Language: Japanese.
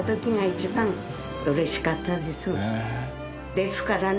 ですからね。